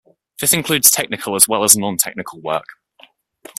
This includes technical as well as non-technical work.